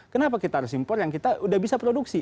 kenapa kita harus impor yang kita udah bisa produksi